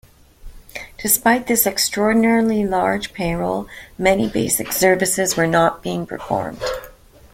Despite this extraordinarily large payroll, many basic services were not being performed.